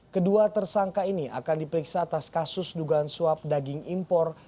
kedua tersangka ini akan diperiksa atas kasus dugaan suap daging impor